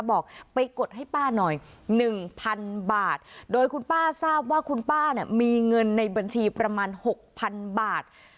บอกไปกดให้ป้าหน่อยหนึ่งพันบาทโดยคุณป้าทราบว่าคุณป้าเนี่ยมีเงินในบัญชีประมาณหกพันบาท